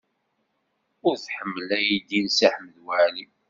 Ur tḥemmel aydi n Si Ḥmed Waɛli.